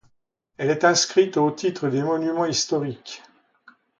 Elle est inscrite au titre des Monuments historiques.